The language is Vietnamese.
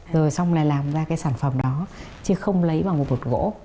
rồi xong lại làm ra cái sản phẩm đó chứ không lấy bằng một bột gỗ